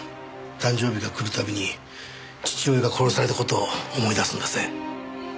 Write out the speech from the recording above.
誕生日が来る度に父親が殺された事を思い出すんだぜ。